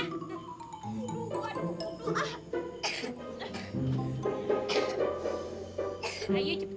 tuh gua gua gua